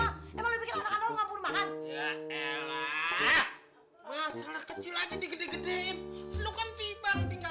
emang lebih ke sana ngambil makan ya ella masalah kecil aja digede gedein lu kan tipang tinggal